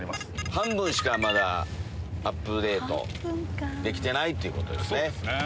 半分しかまだアップデートできてないってことですね。